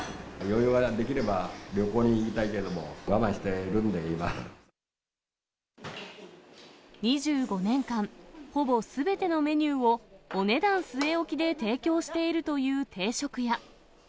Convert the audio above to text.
余裕ができれば旅行に行きたいけども、２５年間、ほぼすべてのメニューをお値段据え置きで提供しているという定食屋。